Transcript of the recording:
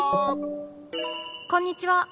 こんにちは。